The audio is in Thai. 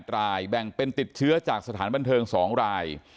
๘รายแบ่งเป็นติดเชื้อจากสถานบันเทิง๒ราย